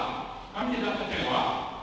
tidak masalah kami tidak kecewa